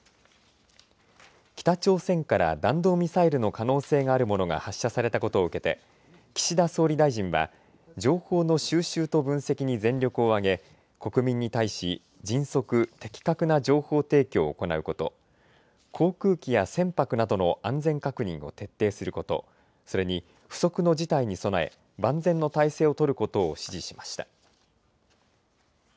北朝鮮から弾道ミサイルの可能性があるものが発射されたことを受けて岸田総理大臣は情報の収集と分析に全力を挙げ国民に対し迅速・的確な情報提供を行うこと、航空機や船舶などの安全確認を徹底すること、それに不測の事態に備え万全の態勢を取ることを指示しました。